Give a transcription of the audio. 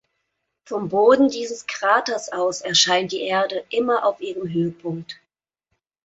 Vom Boden dieses Kraters aus erscheint die Erde immer auf ihrem Höhepunkt.